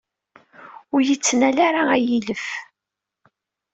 Ur iyi-ttnal ara, a ilef!